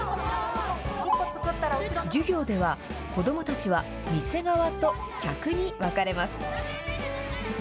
授業では、子どもたちは店側と客に分かれます。